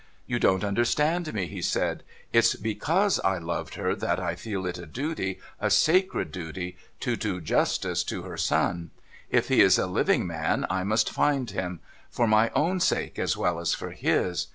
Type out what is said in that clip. ' You don't understand me,' he said. ' It's hecmise I loved her that I feel it a duty— a sacred duty — to do justice to her son. If he is a living man, I must find him : for my own sake, as well as for his.